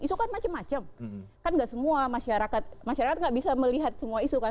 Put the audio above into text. isu kan macam macam kan nggak semua masyarakat masyarakat nggak bisa melihat semua isu kan